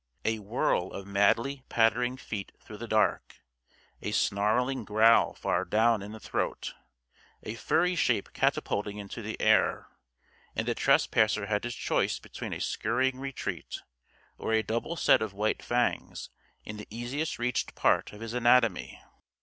A whirl of madly pattering feet through the dark, a snarling growl far down in the throat, a furry shape catapulting into the air and the trespasser had his choice between a scurrying retreat or a double set of white fangs in the easiest reached part of his anatomy.